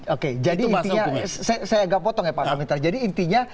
oke jadi intinya saya agak potong ya pak komiter jadi intinya